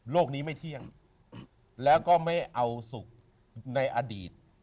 นี้ไม่เที่ยงแล้วก็ไม่เอาสุขในอดีต